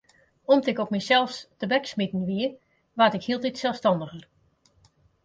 Om't ik op mysels tebeksmiten wie, waard ik hieltyd selsstanniger.